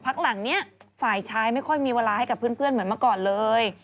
หลังนี้ฝ่ายชายไม่ค่อยมีเวลาให้กับเพื่อนเหมือนเมื่อก่อนเลย